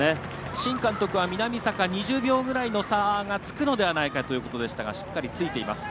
伸監督は南坂２０秒ぐらいの差がつくのではないかということでしたがしっかり、ついています。